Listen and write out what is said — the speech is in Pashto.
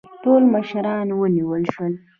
ټول مشران ونیول شول.